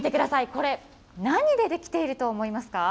これ、何で出来ていると思いますか。